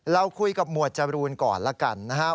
เราคุยกับหมวดจรูนก่อนแล้วกันนะครับ